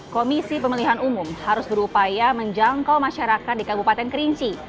komisi pemilihan umum harus berupaya menjangkau masyarakat di kabupaten kerinci